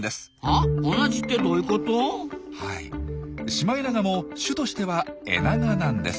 シマエナガも種としてはエナガなんです。